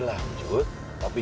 jalan terus nih boy